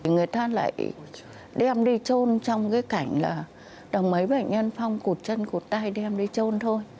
người ta lại đem đi trôn trong cái cảnh là đồng mấy bảnh nhân phong cụt chân cụt tay đem đi trôn thôi